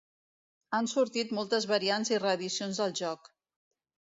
Han sortit moltes variants i reedicions del joc.